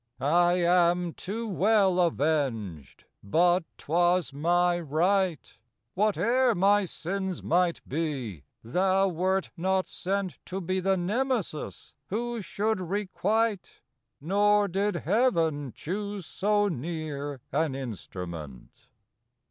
I am too well avenged! but 'twas my right; Whate'er my sins might be, thou wert not sent To be the Nemesis who should requite Nor did Heaven choose so near an instrument.